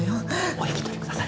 お引き取りください。